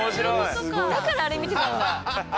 だからあれ見てたんだ。